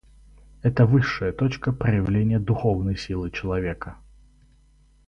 Это высшая точка проявления духовной силы человека.